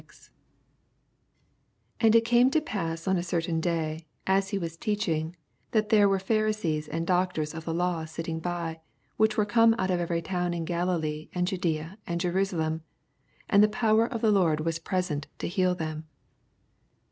17 And it came to tmiss on a certain d&ir, as he was teacning, that there were Pharisees and doctors of the law sitting by, which were come out of every town of Galilee, and Judsea, and Jerusalem : and the power of the Lord vra» present to heal them.